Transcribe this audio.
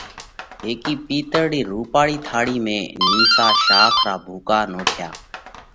هيڪِي پِيتۯ رِي رُوپاۯِي ٿاۯِي ۾ نِيسا شاک را ڀُوڪا نوکيا